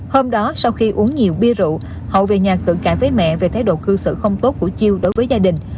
hôm đó sau khi uống nhiều bia rượu hậu về nhạc tưởng cả với mẹ về thái độ cư xử không tốt của chiêu đối với gia đình